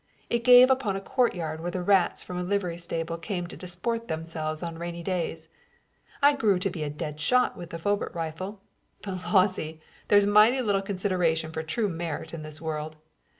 It gave upon a courtyard where the rats from a livery stable came to disport themselves on rainy days. I grew to be a dead shot with the flobert rifle; but lawsy, there's mighty little consideration for true merit in this world!